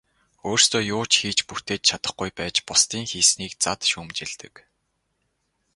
Өөрсдөө юу ч хийж бүтээж чадахгүй байж бусдын хийснийг зад шүүмжилдэг.